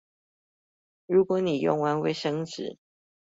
如果你用完衛生紙